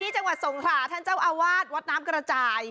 จังหวัดสงขลาท่านเจ้าอาวาสวัดน้ำกระจาย